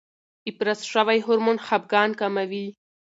افراز شوی هورمون خپګان کموي.